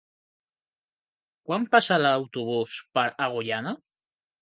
Quan passa l'autobús per Agullana?